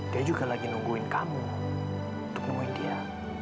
dia juga lagi nungguin kamu untuk nemuin dia